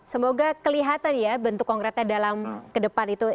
semoga kelihatan ya bentuk konkretnya dalam ke depan itu